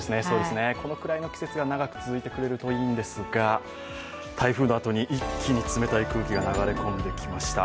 このくらいの季節が長く続いてくれるといいんですが、台風のあとに一気に冷たい空気が流れ込んできました。